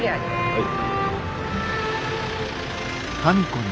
はい。